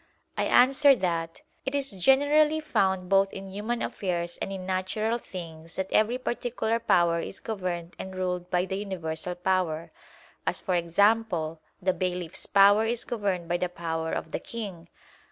I answer that, It is generally found both in human affairs and in natural things that every particular power is governed and ruled by the universal power; as, for example, the bailiff's power is governed by the power of the king.